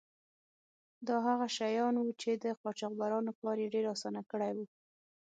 دا هغه شیان وو چې د قاچاقبرانو کار یې ډیر آسانه کړی و.